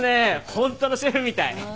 ホントのシェフみたい。